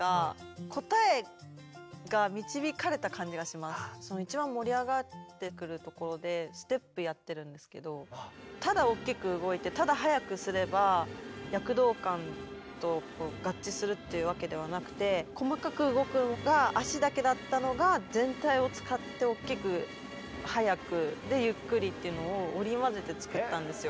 いやもう一番盛り上がってくるところでステップやってるんですけどただおっきく動いてただ速くすれば躍動感と合致するっていうわけではなくて細かく動くのが足だけだったのが全体を使っておっきく速くでゆっくりっていうのを織り交ぜて作ったんですよ